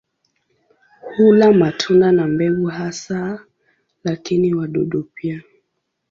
Hula matunda na mbegu hasa, lakini wadudu pia.